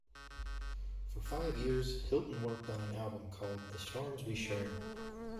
For five years, Hilton worked on an album called "The Storms We Share".